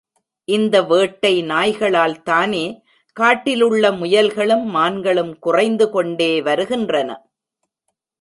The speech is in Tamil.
இந்த வேட்டை நாய்களால்தானே காட்டிலுள்ள முயல்களும், மான்களும் குறைந்து கொண்டே வருகின்றன!